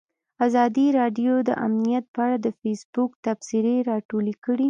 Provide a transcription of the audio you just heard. ازادي راډیو د امنیت په اړه د فیسبوک تبصرې راټولې کړي.